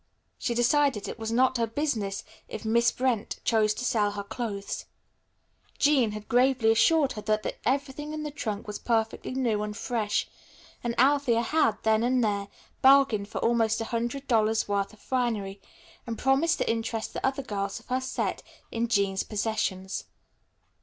She decided it was not her business if Miss Brent chose to sell her clothes. Jean had gravely assured her that everything in the trunk was perfectly new and fresh, and Althea had, then and there, bargained for almost a hundred dollars' worth of finery, and promised to interest the girls of her set in Jean's possessions.